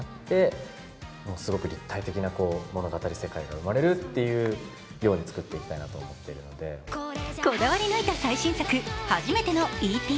それをこだわり抜いた最新作「はじめてのーＥＰ」。